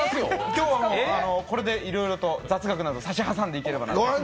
今日はこれでいろいろ雑学などをさしはさんでいければと。